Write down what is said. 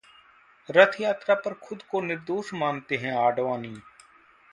रथयात्रा पर खुद को निर्दोष मानते हैं आडवाणी